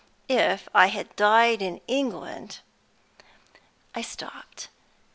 If I had died in England " I stopped.